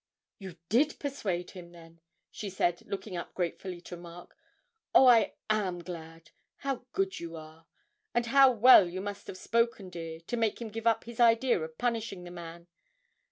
'You did persuade him, then!' she said, looking up gratefully to Mark. 'Oh, I am glad! How good you are, and how well you must have spoken, dear, to make him give up his idea of punishing the man!